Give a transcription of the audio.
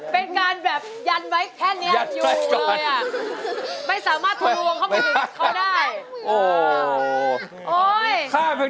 เป็นการแบบยันไว้แค่นี้อยู่เลยอ่ะไม่สามารถทวงเข้าไปเขาได้